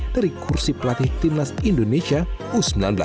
dari kursi pelatih timnas indonesia u sembilan belas